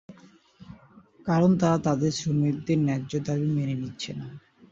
কারণ তারা তাদের শ্রমিকদের ন্যায্য দাবী মেনে নিচ্ছে না।